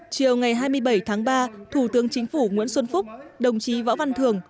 chiều ngày hai mươi bảy tháng ba thủ tướng chính phủ nguyễn xuân phúc đồng chí võ văn thường